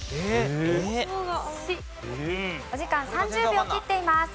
お時間３０秒切っています。